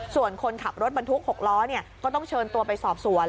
ส่วนคนขับรถบรรทุก๖ล้อก็ต้องเชิญตัวไปสอบสวน